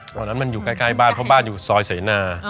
ตอนนั้นมันอยู่ใกล้บ้านเพราะบ้านอยู่ซอยเสนา